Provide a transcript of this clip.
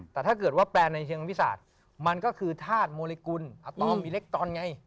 แต่ถ้าเกิดว่าแปลในเชียงวิศาสตร์มันก็คือธาตุโมลิกุลอาตอมมีเล็กตอนไง